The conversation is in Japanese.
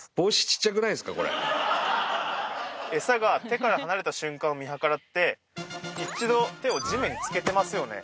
エサが手から離れた瞬間を見計らって一度手を地面につけてますよね